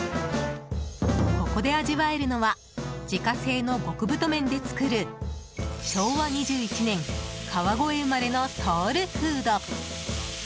ここで味わえるのは自家製の極太麺で作る昭和２１年川越生まれのソウルフード。